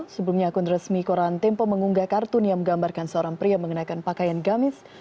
sebelumnya akun resmi koran tempo mengunggah kartun yang menggambarkan seorang pria mengenakan pakaian gamis